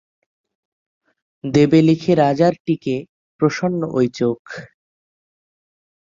দেবে লিখে রাজার টিকে প্রসন্ন ওই চোখ!